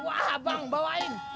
wah bang bawain